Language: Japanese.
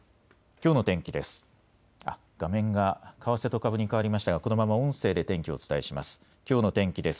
きょうの天気です。